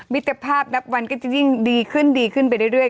มิตรภาพนับวันก็จะยิ่งดีขึ้นดีขึ้นไปเรื่อย